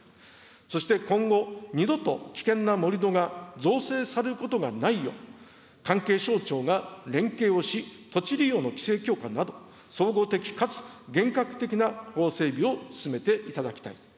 そして今後、二度と危険な盛土が造成されることがないよう、関係省庁が連携をし、土地利用の規制強化など、総合的かつ厳格的な法整備を進めていただきたい。